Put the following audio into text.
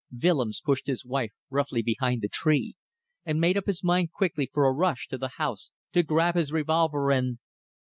Willems pushed his wife roughly behind the tree, and made up his mind quickly for a rush to the house, to grab his revolver and